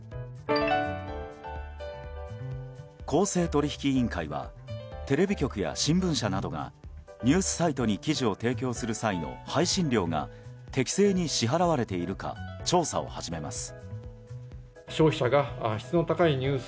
公正取引委員会はテレビ局や新聞社などがニュースサイトに記事を提供する際の配信料が適正に支払われているか調査を始めます。